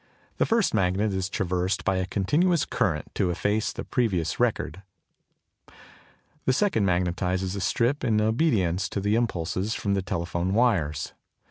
The first magnet is traversed by a continuous current to efface the previous record; the second magnetises the strip in obedience to impulses from the telephone wires.